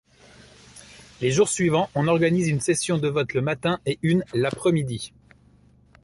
Les jours suivants, on organise une session de vote le matin et une l'après-midi.